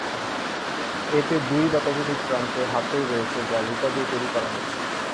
এতে দুই বা ততোধিক প্রান্তে হাতল রয়েছে যা রূপা দিয়ে তৈরী করা হয়েছে।